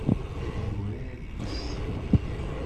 Ad yurar yis-s.